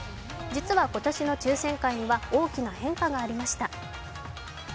実は、今年の抽選会には大きな変化がありました。